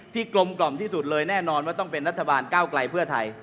กลมกล่อมที่สุดเลยแน่นอนว่าต้องเป็นรัฐบาลก้าวไกลเพื่อไทย